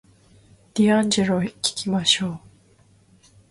ディアンジェロを聞きましょう